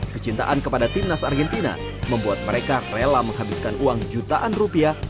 kecintaan kepada timnas argentina membuat mereka rela menghabiskan uang jutaan rupiah